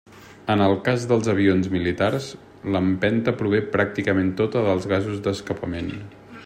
En el cas dels avions militars, l'empenta prové pràcticament tota dels gasos d'escapament.